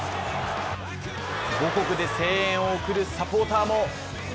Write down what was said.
母国で声援を送るサポーターも。